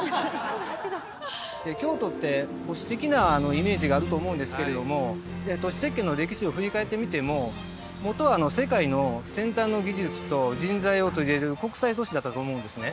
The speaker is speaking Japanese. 京都って保守的なイメージがあると思うんですけれども都市設計の歴史を振り返ってみても元は世界の先端の技術と人材を取り入れる国際都市だったと思うんですね